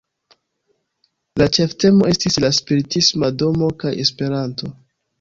La ĉeftemo estis "La Spiritisma Domo kaj Esperanto".